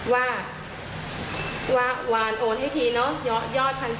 ว่าวานโอนให้ทียอด๑๗๐๐บาท